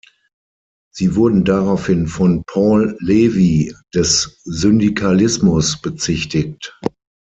Sie wurden daraufhin von Paul Levi des Syndikalismus bezichtigt.